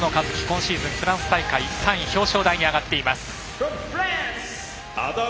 今シーズン、フランス大会３位表彰台に上がっています。